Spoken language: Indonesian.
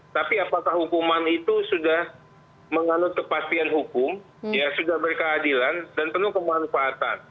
tapi apakah hukuman itu sudah menganut kepastian hukum sudah berkeadilan dan penuh kemanfaatan